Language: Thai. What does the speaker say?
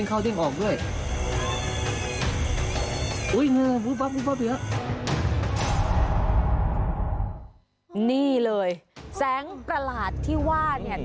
มือบับเหลือมือบับเหลือ